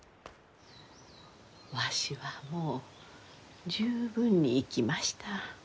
わしはもう十分に生きました。